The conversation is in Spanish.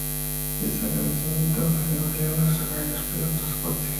En agradecimiento, el gobierno de Sharjah le expidió un pasaporte.